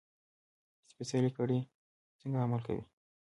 سپېڅلې کړۍ څنګه عمل کوي.